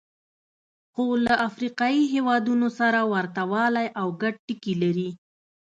خو له افریقایي هېوادونو سره ورته والی او ګډ ټکي لري.